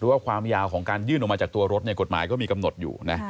ว่าความยาวของการยื่นออกมาจากตัวรถกฎหมายก็มีกำหนดอยู่นะ